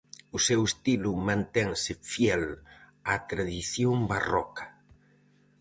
O seu estilo mantense fiel á tradición barroca.